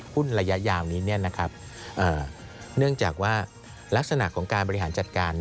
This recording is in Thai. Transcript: ระยะยาวนี้เนื่องจากว่าลักษณะของการบริหารจัดการ